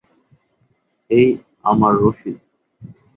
এই আমার রসিদ।